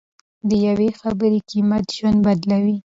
د یوې خبرې قیمت ژوند بدلوي.